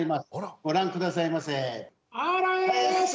ご覧下さいませ。